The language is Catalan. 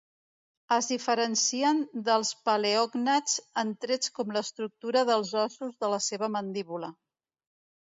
Es diferencien dels paleògnats en trets com l'estructura dels ossos de la seva mandíbula.